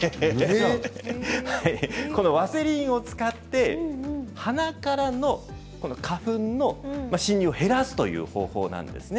このワセリンを使って鼻からの花粉の侵入を減らすという方法なんですね。